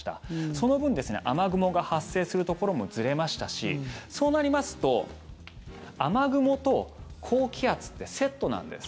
その分、雨雲が発生するところもずれましたしそうなりますと雨雲と高気圧ってセットなんです。